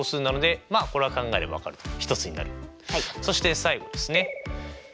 そして最後ですね。